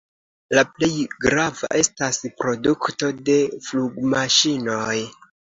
La plej grava estas produkto de flugmaŝinoj.